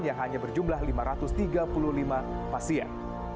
yang hanya berjumlah lima ratus tiga puluh lima pasien